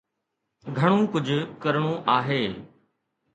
گهڻو ڪجهه ڪرڻو آهي.